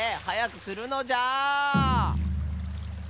はやくするのじゃ！